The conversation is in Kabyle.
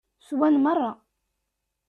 Swan merra.